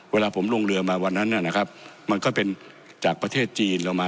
เวลาผมลงเรือมาวันนั้นนะครับมันก็เป็นจากประเทศจีนเรามา